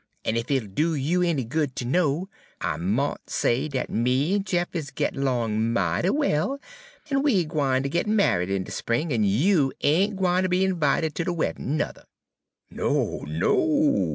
But ef it'll do you any good ter know, I mought say dat me en Jeff is gittin' 'long mighty well, en we gwine ter git married in de spring, en you ain' gwine ter be 'vited ter de weddin' nuther.' "'No, no!'